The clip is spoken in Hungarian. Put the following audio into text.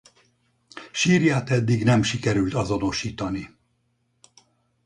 Sírját eddig nem sikerült azonosítani.